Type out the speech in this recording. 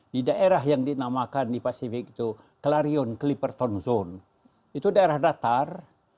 di daerah yang dinamakan di pasifik itu clarion clipperton zone itu daerah datar